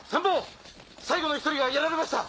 最後の１人がやられました！